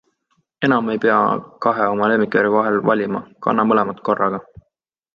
Enam ei pea kahe oma lemmikvärvi vahel valima - kanna mõlemat korraga!